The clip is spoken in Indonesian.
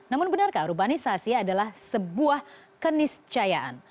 namun benarkah urbanisasi adalah sebuah keniscayaan